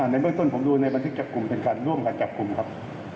ในเบื้องต้นผมดูในบันทึกจับกลุ่มเป็นการร่วมกันจับกลุ่มครับ